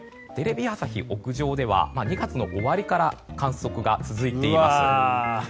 テレビ朝日屋上では２月の終わりから観測が続いています。